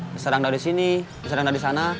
diserang dari sini diserang dari sana